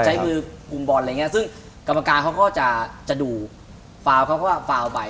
ใช้มือกลุ่มบอลอะไรอย่างเงี้ยซึ่งกรรมการเขาก็จะดูฟาวเขาก็ว่าฟาวไป